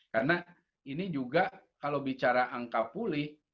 karena ini juga kalau bicara angka pulih